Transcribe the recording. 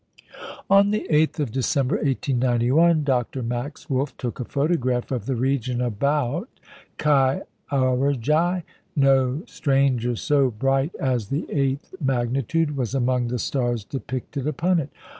On the 8th of December, 1891, Dr. Max Wolf took a photograph of the region about Chi Aurigæ. No stranger so bright as the eighth magnitude was among the stars depicted upon it.